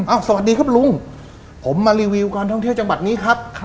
สวัสดีครับลุงผมมารีวิวการท่องเที่ยวจังหวัดนี้ครับ